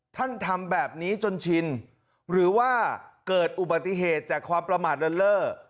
ทำแบบนี้จนชินหรือว่าเกิดอุบัติเหตุจากความประมาทเลิ่นเล่อ